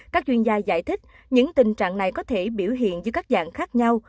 các chuyên gia giải thích những tình trạng này có thể biểu hiện dưới các dạng khác nhau